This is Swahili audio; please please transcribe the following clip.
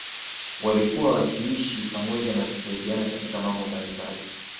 Walikuwa wakiishi pamoja na kusaidiana katika mambo mbalimbali